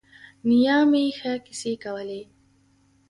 نیا مې ښه کیسې کولې.